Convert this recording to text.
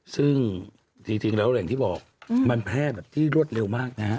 ซึ่งจริงแล้วอย่างที่บอกมันแพร่แบบที่รวดเร็วมากนะฮะ